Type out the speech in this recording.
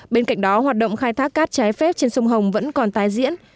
bên cạnh đó hoạt động khai thác cát trái phép trên sông hồng vẫn còn tái diễn